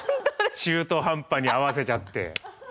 中途半端に合わせちゃって。